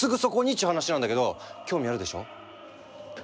っちゅう話なんだけど興味あるでしょ？